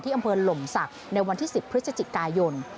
อำเภอหล่มศักดิ์ในวันที่๑๐พฤศจิกายน